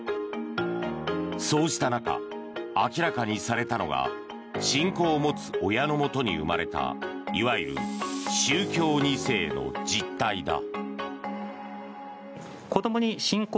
そうした中、明らかにされたのが信仰を持つ親のもとに生まれたいわゆる宗教２世の実態だ。